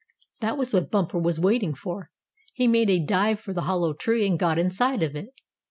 That was what Bumper was waiting for. He made a dive for the hollow tree, and got inside of it.